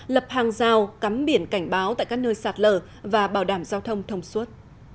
lập hàng giao cắm biển cảnh báo tại các nơi sạt lở và bảo đảm giao thông thông suốt